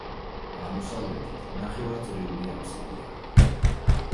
აღმოსავლეთით ნახევარწრიული აფსიდია.